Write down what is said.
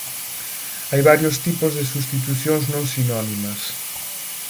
Hai varios tipos de substitucións non sinónimas.